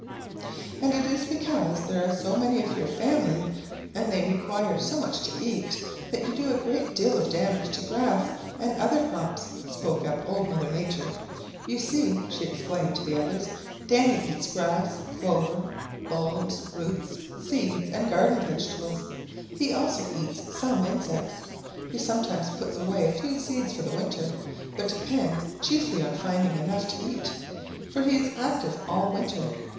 "And it is because there are so many of your family and they require so much to eat that you do a great deal of damage to grass and other crops," spoke up Old Mother Nature. "You see," she explained to the others, "Danny eats grass, clover, bulbs, roots, seeds and garden vegetables. He also eats some insects. He sometimes puts away a few seeds for the winter, but depends chiefly on finding enough to eat, for he is active all winter.